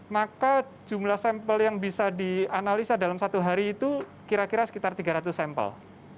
maka jumlah sampel yang bisa dianalisa dalam satu hari itu kira kira sekitar tiga ratus sampel